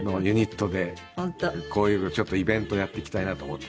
こういうちょっとイベントをやっていきたいなと思って。